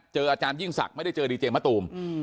อาจารยิ่งศักดิ์ไม่ได้เจอดีเจมะตูม